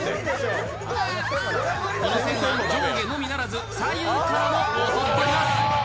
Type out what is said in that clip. この線が上下のみならず左右からも襲ってきます。